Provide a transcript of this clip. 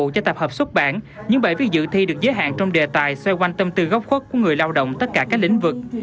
các dự thi được giới hạn trong đề tài xoay quanh tâm tư gốc khuất của người lao động tất cả các lĩnh vực